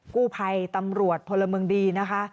กู้ภัยตำรวจพลเมืองดีนะคะ